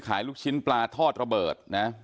ขายลูกชิ้นน้ำปลาทอดระเบิดนะ